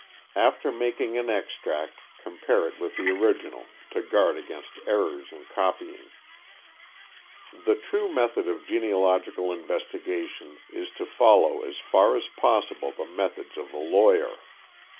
After making an extract, compare it with the original, to guard against errors in copying. The true method of genealogical investigation is to follow as far as possible the methods of the lawyer.